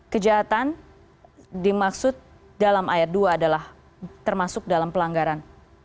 kejahatan dimaksud dalam ayat dua adalah termasuk dalam pelanggaran